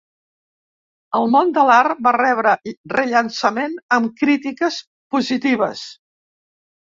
El món de l'art va rebre rellançament amb crítiques positives.